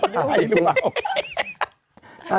ใช่หรือเปล่า